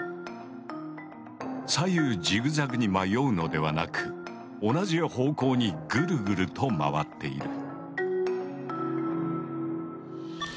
左右ジグザグに迷うのではなく同じ方向にぐるぐると回っている。